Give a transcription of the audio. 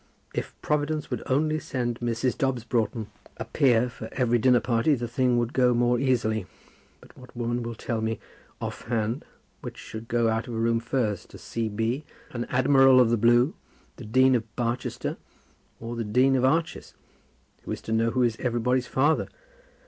If Providence would only send Mrs. Dobbs Broughton a Peer for every dinner party, the thing would go more easily; but what woman will tell me, off hand, which should go out of a room first: a C.B., an Admiral of the Blue, the Dean of Barchester, or the Dean of Arches? Who is to know who was everybody's father?